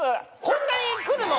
こんなに来るの！？